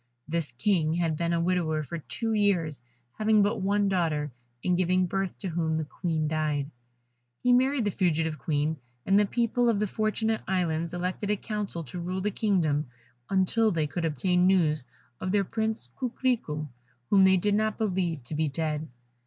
This King had been a widower for two years, having but one daughter, in giving birth to whom the Queen died. He married the fugitive Queen; and the people of the Fortunate Islands elected a council to rule the kingdom until they could obtain news of their Prince Coquerico, whom they did not believe to be dead.